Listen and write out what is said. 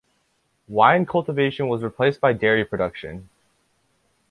Wine cultivation was replaced by dairy production.